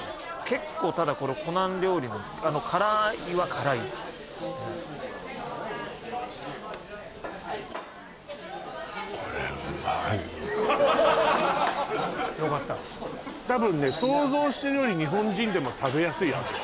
結構ただこれ湖南料理なんで辛いは辛いですよかった多分ね想像してるより日本人でも食べやすい味